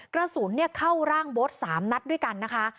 กระสุนเนี่ยเข้าร่างโบสต์๓นัดด้วยกันนะคะ